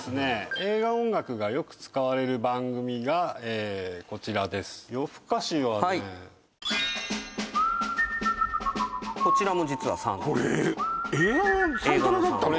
映画音楽がよく使われる番組がこちらです「夜ふかし」はねこちらも実はサントラ